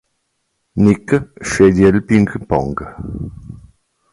Nick sceglie il ping pong.